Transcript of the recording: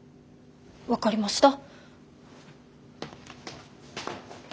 分かりました。